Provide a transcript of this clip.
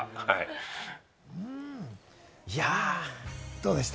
どうでした？